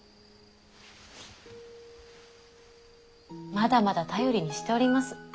まだまだ頼りにしております。